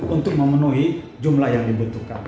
untuk memenuhi jumlah yang dibutuhkan